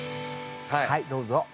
はいどうぞ。